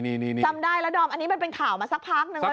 นี่จำได้แล้วดอมอันนี้มันเป็นข่าวมาสักพักนึงแล้ว